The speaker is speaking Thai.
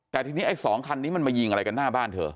แต่ทีนี้ไอ้๒คันนี้มันมายิงอะไรกันหน้าบ้านเธอ